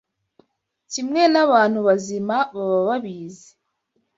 kimwe n’abantu bazima baba babizi